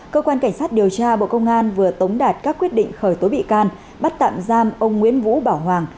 cơ quan cảnh sát điều tra bộ công an vừa tống đạt các quyết định khởi tố bị can bắt tạm giam ông nguyễn vũ bảo hoàng